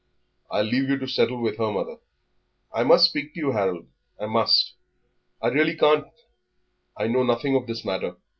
"I'll leave you to settle with her, mother." "I must speak to you, Harold I must." "I really can't; I know nothing of this matter."